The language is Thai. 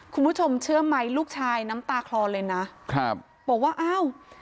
คุณผู้ชมเชื่อไหมลูกชายน้ำตาคลอเลยนะครับบอกว่าอ้าว